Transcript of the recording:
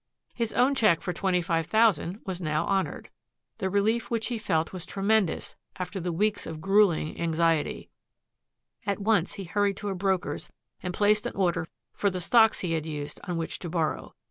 His own check for twenty five thousand was now honored. The relief which he felt was tremendous after the weeks of grueling anxiety. At once he hurried to a broker's and placed an order for the stocks he had used on which to borrow.